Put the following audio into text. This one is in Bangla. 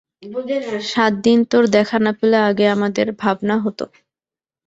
সাতদিন তোর দেখা না পেলে আগে আমাদের ভাবনা হত।